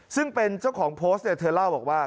ซึ่งเป็นเจ้าของโพสต์เนี่ยเธอเล่าบอกว่า